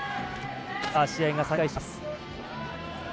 試合が再開します。